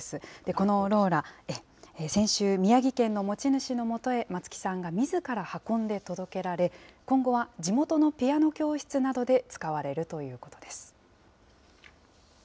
このローラ、先週、宮城県の持ち主の元へ、松木さんがみずから運んで届けられ、今後は地元のピアノ教室などで使われるということです。